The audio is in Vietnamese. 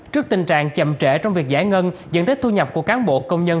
trước tình trạng chậm trễ trong việc giải ngân dẫn tới thu nhập của cán bộ công nhân